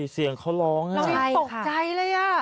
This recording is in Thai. เสียงเขาร้องเราเป็นตกใจเลย